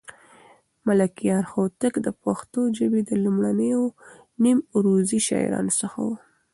ملکیار هوتک د پښتو ژبې د لومړنيو نیم عروضي شاعرانو څخه و.